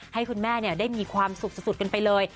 ให้คุณแม่ได้มีความสุขสุดกันไปเลย